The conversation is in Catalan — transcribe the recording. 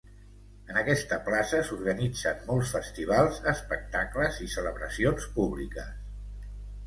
En aquesta plaça s'organitzen molts festivals, espectacles i celebracions públiques.